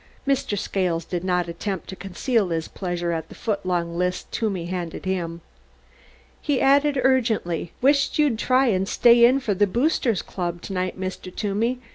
Mr. Scales did not attempt to conceal his pleasure at the foot long list Toomey handed him. He added urgently, "Wisht you'd try and stay in for the Boosters Club to night, Mr. Toomey.